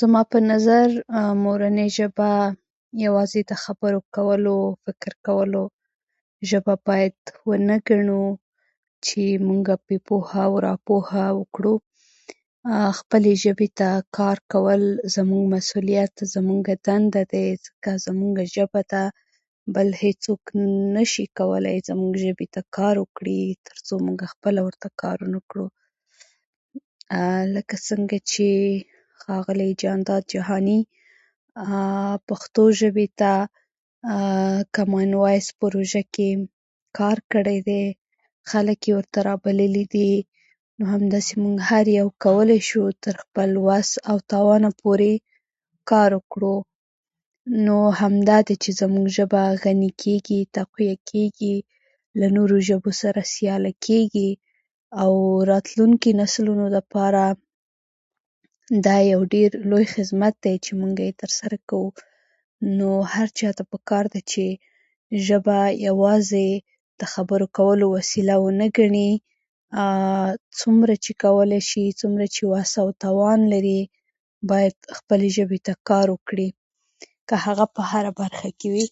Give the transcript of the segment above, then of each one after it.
زما په نظر، مورنۍ ژبه یوازې د خبرو کولو، فکر کولو ژبه باید ونه ګڼو، چې مونږه پرې پوهه او راپوهه وکړو. خپلې ژبې ته کار کول زموږ مسولیت، زموږه دنده دی، ځکه چې زموږه ژبه ده. بل هیڅوک نشي کولای زموږه ژبې ته کار وکړي، تر څو موږه خپله ورته کار ونه کړو. لکه څرنګه چې ښاغلی جانداد جهاني پښتو ژبې ته کامن وایس پروژه کې کار کړی دی، خلک یې ورته رابللي دي، نو همداسې موږ هر یو کولای شو تر خپل وس او توانه پورې کار وکړو. نو همدا ده چې زموږ ژبه غني کېږي، تقویه کېږي، له نورو ژبو سره سیاله کېږي، او راتلونکي نسلونو دپاره دا يو لوی خدمت دی چې موږه یې ترسره کوو. نو هر چا ته پکار ده چې ژبه یوازې د خبرو کولو وسیله ونه ګڼي. څومره چې کولای شي، څومره چې کولای شي، څومره چې وس او توان لري، باید خپلې ژبې ته کار وکړي، که هغه په هره برخه کې وي.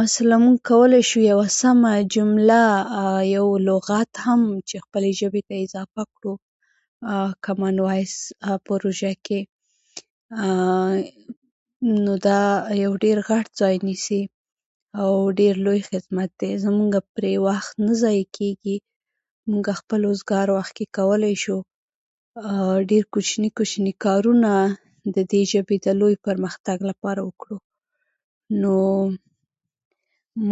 مثلا موږ کولای شو یوه سمه جمله، یو لغت هم چې خپلې ژبې ته اضافه کړو کامن وایس پروژه کې، نو دا يو ډېر غټ ځای نیسي، او ډېر لوی خدمت دی. زموږه پرې وخت نه ضایع کېږي. موږه خپل اوزګار وخت کې کولای شو ډېر کوچني کوچني کارونه دې ژبې د لوی پرمختګ لپاره وکړو. نو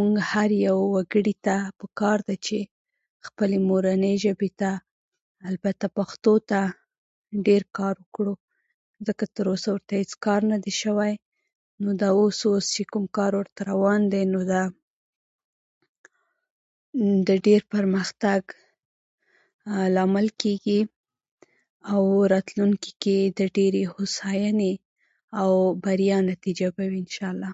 موږ هر یو وګړي ته پکار ده چې خپلې مورنۍ ژبې ته، البته پښتو ته، ډېر کار وکړو، ځکه تر اوسه ورته هيڅ کار نه دی شوی. نو اوس چې کوم کار روان دی، دا د ډېر پرمختګ لامل کېږي، او راتلونکي کې د ډېرې هوساینې او بریا نتیجه به وي، انشاالله.